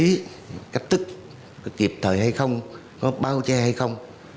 cái cách tức kịp thời hay không có bao che hay không